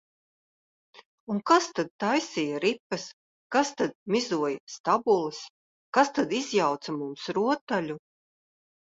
Un kas tad taisīja ripas, kas tad mizoja stabules, kas tad izjauca mums rotaļu?